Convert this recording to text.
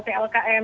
sudah cukup kurang